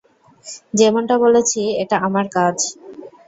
যেমনটা বলেছি, এটা আমার কাজ।